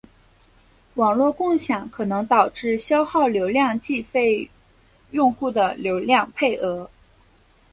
网络共享可能导致消耗流量计费用户的流量配额。